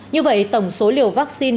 như vậy tổng số liều vaccine